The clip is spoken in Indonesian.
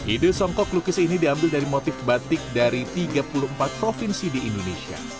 ide songkok lukis ini diambil dari motif batik dari tiga puluh empat provinsi di indonesia